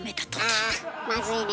あまずいね